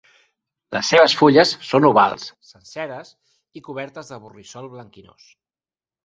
Les seves fulles són ovals, senceres i cobertes de borrissol blanquinós.